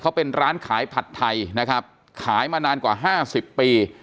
เขาเป็นร้านขายผัดไทยนะครับขายมานานกว่าห้าสิบปี